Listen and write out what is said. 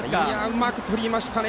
うまくとりましたね。